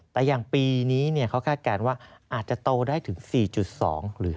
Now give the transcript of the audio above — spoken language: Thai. แต่อย่างปีนี้เขาคาดการณ์ว่าอาจจะโตได้ถึง๔๒หรือ